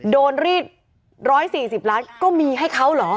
รีด๑๔๐ล้านก็มีให้เขาเหรอ